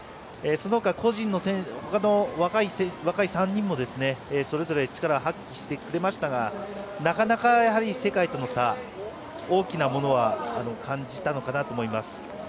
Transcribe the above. そのほかの若い３人もそれぞれ力を発揮してくれましたがなかなか世界との差大きなものは感じたのかなと思います。